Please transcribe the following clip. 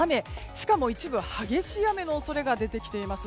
しかも一部激しい雨の恐れが出てきています。